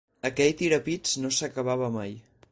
Aquell tirapits no s'acabava mai.